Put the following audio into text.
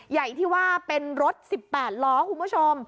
ใหญ่ที่ว่าเป็นรถ๑๘ล้อคุณผู้ชม